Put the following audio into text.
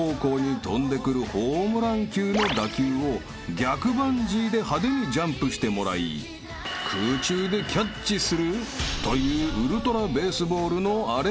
［逆バンジーで派手にジャンプしてもらい空中でキャッチするという『ウルトラベースボール』のあれのようなもの］